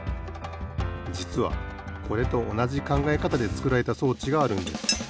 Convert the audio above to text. じつはこれとおなじかんがえかたで作られた装置があるんです。